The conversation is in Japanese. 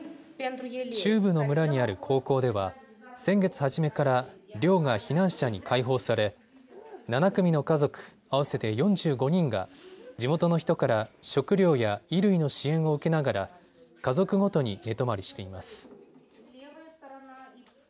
中部の村にある高校では先月初めから寮が避難者に開放され７組の家族、合わせて４５人が地元の人から食料や衣類の支援を受けながら家族ごとに寝泊まりしています。